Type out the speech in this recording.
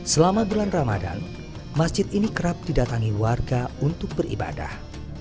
selama bulan ramadan masjid ini kerap didatangi warga untuk beribadah